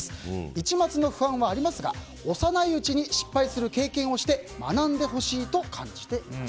一抹の不安はありますが幼いうちに失敗する経験をして学んでほしいと感じています。